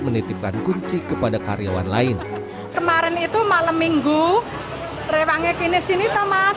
menitipkan kunci kepada karyawan lain kemarin itu malam minggu rewangnya kini sini thomas